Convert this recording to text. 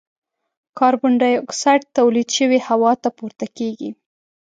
کاربن ډای اکسایډ تولید شوی هوا ته پورته کیږي.